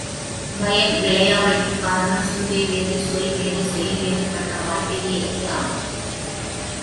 பயன் விளையாமைக்குக் காரணம் சிந்தை வேறு, சொல் வேறு, செயல் வேறு பட்ட வாழ்க்கையேயாம்.